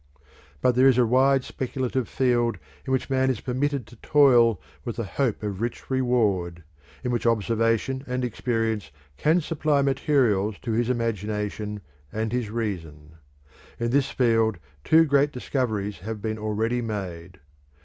But there is a wide speculative field in which man is permitted to toil with the hope of rich reward, in which observation and experience can supply materials to his imagination and his reason. In this field two great discoveries have been already made.